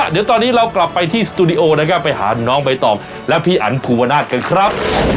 เดี๋ยวตอนนี้เรากลับไปที่สตูดิโอนะครับไปหาน้องใบตองและพี่อันภูวนาศกันครับ